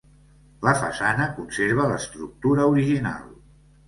La façana conserva l'estructura original.